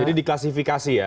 jadi diklasifikasi ya